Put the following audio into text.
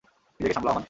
নিজেকে সামলাও আমান!